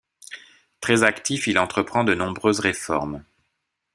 Très actif, il entreprend de nombreuses réformes.